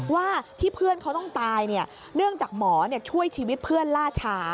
ว่าที่เพื่อนเขาต้องตายเนื่องจากหมอช่วยชีวิตเพื่อนล่าช้า